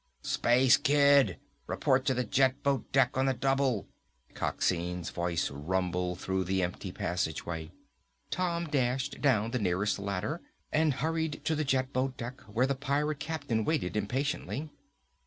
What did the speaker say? "Space Kid! Report to the jet boat deck on the double!" Coxine's voice rumbled through the empty passageway. Tom dashed down the nearest ladder and hurried to the jet boat deck where the pirate captain waited impatiently.